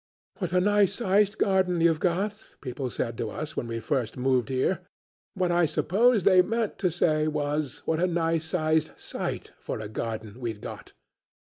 'What a nice sized garden you've got,' people said to us when we first moved here. What I suppose they meant to say was what a nice sized site for a garden we'd got.